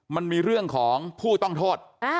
มันมีเรื่องของผู้ต้องโทษ